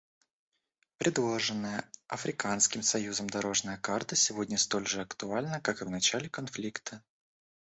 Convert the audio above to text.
Предложенная Африканским союзом «дорожная карта» сегодня столь же актуальна, как и в начале конфликта.